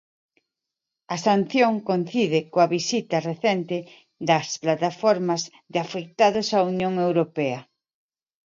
A sanción coincide coa visita recente das plataformas de afectados á Unión Europea.